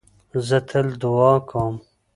زه تل دؤعا کوم.